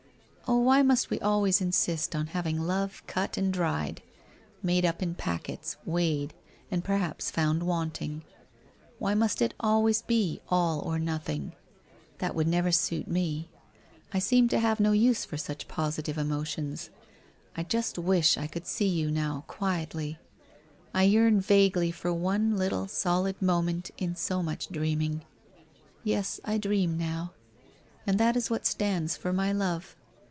Oh, why must we always insist on having love cut and WHITE ROSE OF WEARY LEAF 415 dried, made up in packets, weighed, and perhaps found wanting ? Why must it always he All or Nothing ? That would never suit me. I seem to have no use for such posi tive emotions. I just wish I could see you now, quietly ; I yearn vaguely for one little solid moment in so much dreaming. Yes, I dream now. And that is what stands for My Love.